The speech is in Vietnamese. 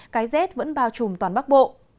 cái rét vẫn bao trùm toàn bắc bộ